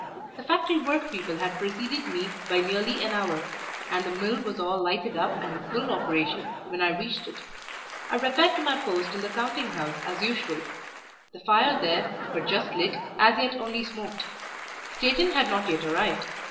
The factory workpeople had preceded me by nearly an hour, and the mill was all lighted up and in full operation when I reached it. I repaired to my post in the counting house as usual; the fire there, but just lit, as yet only smoked; Steighton had not yet arrived.